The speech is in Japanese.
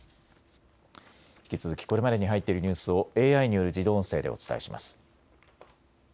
引き続きこれまでに入っているニュースをＡＩによる自動音声でお伝えします。